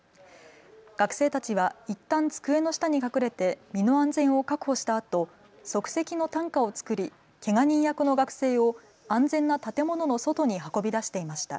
学生たちはいったん机の下に隠れて身の安全を確保したあと即席の担架を作りけが人役の学生を安全な建物の外に運び出していました。